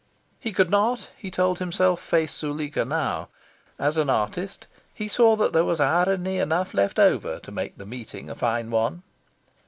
He could not, he told himself, face Zuleika now. As artist, he saw that there was irony enough left over to make the meeting a fine one.